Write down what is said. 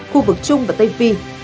khu vực trung và tây phi